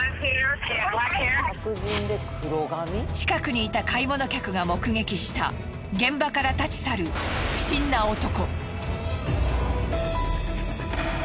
近くにいた買い物客が目撃した現場から立ち去る不審な男。